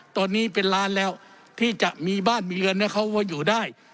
ตอนนี้เป็นล้านแล้วที่จะมีบ้านมีเรือนให้เขาอยู่ได้